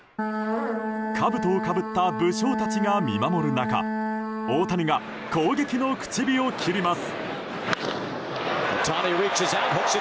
かぶとをかぶった武将たちが見守る中大谷が攻撃の口火を切ります。